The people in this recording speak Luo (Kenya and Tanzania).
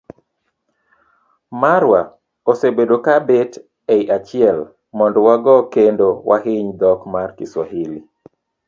Marwa osebedo ka bet e i achiel mondo wago kendo wahiny dhok mar Kiswahili.